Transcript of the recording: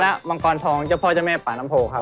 และมังกรทองเจ้าพ่อเจ้าแม่ป่าน้ำโพครับ